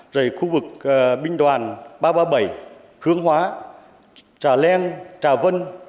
rồi khu vực binh đoàn ba trăm ba mươi bảy hướng hóa trà leng trà vân